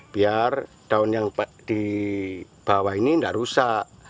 biar daun yang dibawa ini tidak rusak